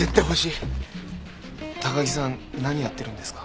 高木さん何やってるんですか？